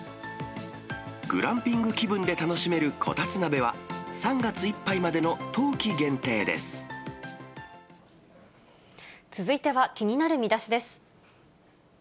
グランピング気分で楽しめるこたつ鍋は、続いては気になるミダシです。